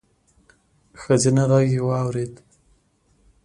ښځينه غږ يې واورېد: